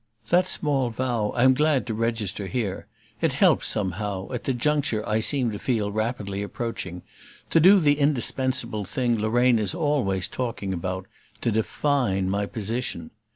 That small vow I'm glad to register here: it helps somehow, at the juncture I seem to feel rapidly approaching, to do the indispensable thing Lorraine is always talking about to define my position.